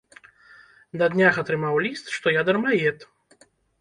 На днях атрымаў ліст, што я дармаед.